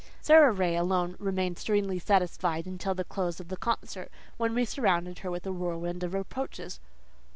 Sara Ray alone remained serenely satisfied until the close of the concert, when we surrounded her with a whirlwind of reproaches.